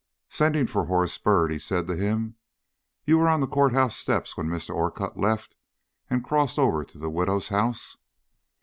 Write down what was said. Sending for Horace Byrd, he said to him: "You were on the court house steps when Mr. Orcutt left and crossed over to the widow's house?"